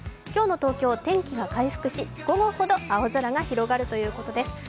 今日の東京、天気が回復し午後ほど青空が広がるということです。